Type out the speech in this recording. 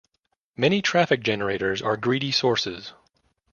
Many traffic generators are greedy sources.